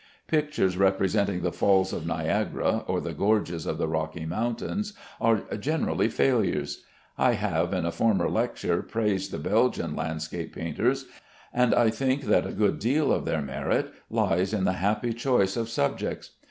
Pictures representing the Falls of Niagara or the gorges of the Rocky Mountains are generally failures. I have in a former lecture praised the Belgian landscape painters, and I think that a good deal of their merit lies in the happy choice of subjects.